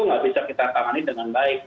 nggak bisa kita tangani dengan baik